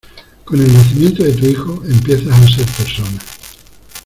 con el nacimiento de tu hijo, empiezas a ser persona